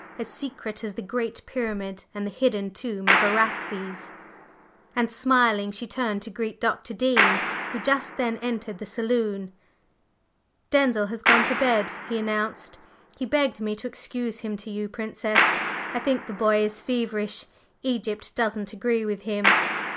"As secret as the Great Pyramid and the hidden tomb of Araxes!" And smiling, she turned to greet Dr. Dean, who just then entered the saloon. "Denzil has gone to bed," he announced. "He begged me to excuse him to you, Princess. I think the boy is feverish. Egypt doesn't agree with him."